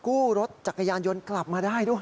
รถจักรยานยนต์กลับมาได้ด้วย